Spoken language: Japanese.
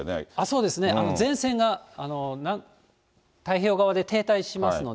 そうですね、前線が太平洋側で停滞しますので。